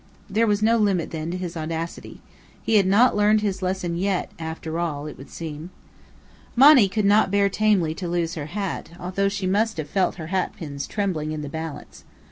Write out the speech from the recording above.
There was no limit, then, to his audacity. He had not learned his lesson yet, after all, it would seem. Monny could not bear tamely to lose her hat, though she must have felt her hatpins trembling in the balance.